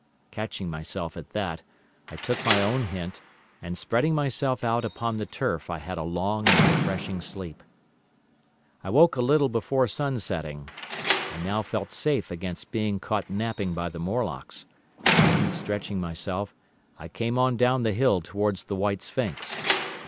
Catching myself at that, I took my own hint, and spreading myself out upon the turf I had a long and refreshing sleep. "I awoke a little before sunsetting. I now felt safe against being caught napping by the Morlocks, and, stretching myself, I came on down the hill towards the White Sphinx.